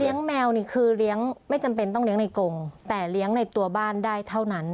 แมวนี่คือเลี้ยงไม่จำเป็นต้องเลี้ยงในกงแต่เลี้ยงในตัวบ้านได้เท่านั้น